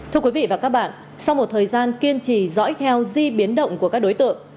thưa quý vị và các bạn sau một thời gian kiên trì dõi theo di biến động của các đối tượng